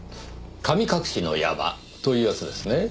神隠しの山というやつですね？